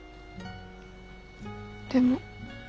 でも。